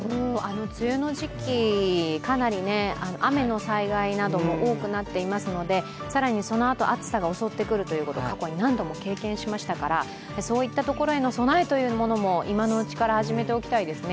梅雨の時期、かなり雨の災害なども多くなっていますので更にそのあと、暑さが襲ってくるということを過去に何度も経験しましたから、そういったところへの備えというものも今のうちから始めておきたいですね。